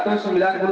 dua ya pak